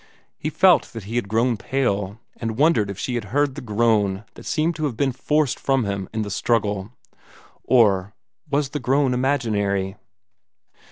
He felt that he had grown pale, and wondered if she had heard the groan that seemed to have been forced from him in the struggle. Or was the groan imaginary?